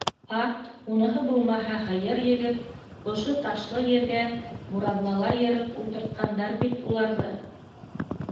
Ат, уныһы булмаһа, һыйыр егеп, ошо ташлы ергә бураҙналар йырып ултыртҡандар бит уларҙы.